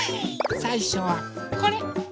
さいしょはこれ。